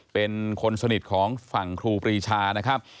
เป็นคนสนิทของฝั่งครูปรีชานะครับ